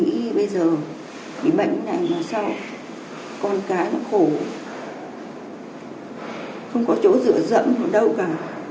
nghĩ bây giờ bị bệnh này mà sao con cái nó khổ không có chỗ rửa rẫm ở đâu cả